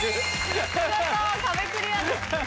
見事壁クリアです。